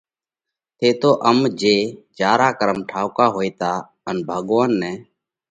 ٿيتو ام جي جيا را ڪرم ٺائُوڪا هوئيتا ان ڀڳوونَ نئہ